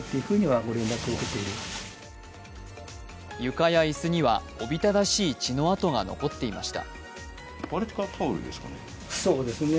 床や椅子には、おびただしい血の痕が残っていました。